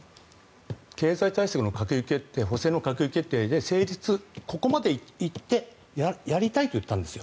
経済対策の閣議決定補正の閣議決定で成立、ここまでいってやりたいと言ったんです。